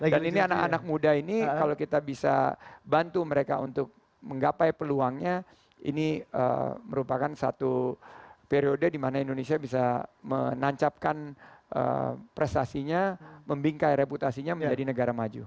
dan ini anak anak muda ini kalau kita bisa bantu mereka untuk menggapai peluangnya ini merupakan satu periode di mana indonesia bisa menancapkan prestasinya membingkai reputasinya menjadi negara maju